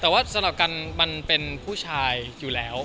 แต่ว่าสำหรับกันมันเป็นผู้ชายอยู่แล้ว